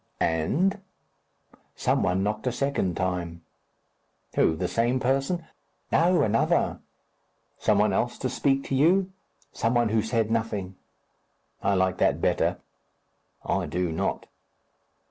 "And ?" "Some one knocked a second time." "Who? the same person?" "No, another." "Some one else to speak to you?" "Some one who said nothing." "I like that better." "I do not."